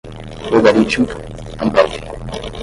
logarítmica, Ambev